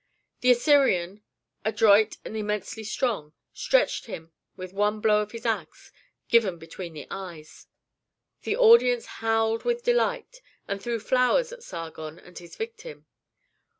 The Assyrian, adroit and immensely strong, stretched him with one blow of his axe, given between the eyes. The audience howled with delight, and threw flowers at Sargon and his victim.